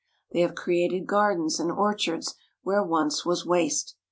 They have cre ated gardens and orchards where once was waste.